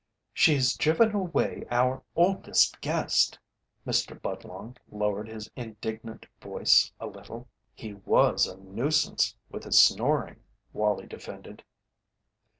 "She's driven away our oldest guest." Mr. Budlong lowered his indignant voice a little. "He was a nuisance with his snoring," Wallie defended.